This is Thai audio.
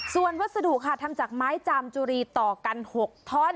ส่วนวัสดุค่ะทำจากไม้จามจุรีต่อกัน๖ท่อน